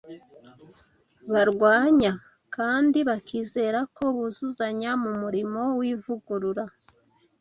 barwanya, kandi bakizera ko buzuzanya mu murimo w’ivugurura